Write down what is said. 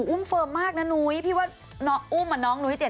อุ้มเฟิร์มมากนะนุ้ยพี่ว่าอุ้มมาน้องนุ้ย๗ปี